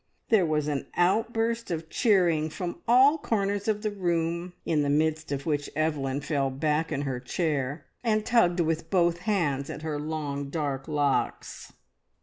There was an outburst of cheering from all corners of the room, in the midst of which Evelyn fell back in her chair and tugged with both hands at her long dark locks.